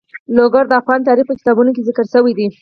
لوگر د افغان تاریخ په کتابونو کې ذکر شوی دي.